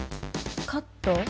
カット？